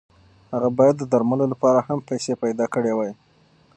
هغه باید د درملو لپاره هم پیسې پیدا کړې وای.